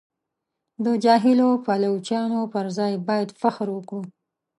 د جاهلو پایلوچانو پر ځای باید فخر وکړو.